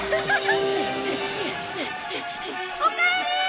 おかえり！